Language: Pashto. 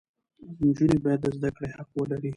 نجونې باید د زده کړې حق ولري.